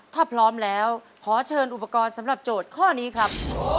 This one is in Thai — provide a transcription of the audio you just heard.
ถ้าพร้อมแล้วขอเชิญอุปกรณ์สำหรับโจทย์ข้อนี้ครับ